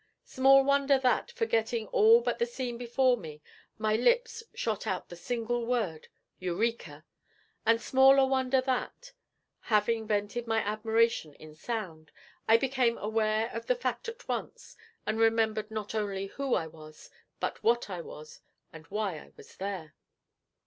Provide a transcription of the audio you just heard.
Small wonder that, forgetting all but the scene before me, my lips shot out the single word 'Eureka!' and smaller wonder that, having vented my admiration in sound, I became aware of the fact at once, and remembered not only who I was, but what I was, and why I was there.